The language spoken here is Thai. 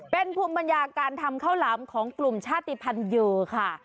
เป็นภูมิปัญญาการทำข้าวหลามของกลุ่มชาติภัณฑ์โยค่ะ